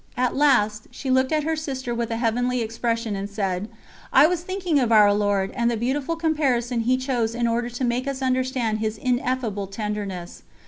At last she looked at her sister with a heavenly expression, and said: "I was thinking of Our Lord, and the beautiful comparison He chose in order to make us understand His ineffable tenderness.